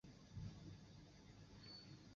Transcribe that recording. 肉叶鞘蕊花为唇形科鞘蕊花属下的一个种。